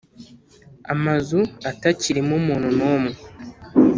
amazu atakirimo umuntu n’umwe,